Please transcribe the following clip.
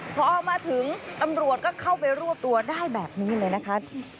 พอมาถึงตำรวจก็เข้าไปรวบตัวได้แบบนี้เลยนะคะ